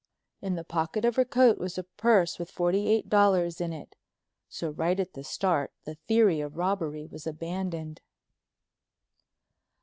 In the pocket of her coat was a purse with forty eight dollars in it. So right at the start the theory of robbery was abandoned.